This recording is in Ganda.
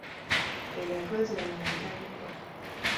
Endala twaziraba mu ntandikwa.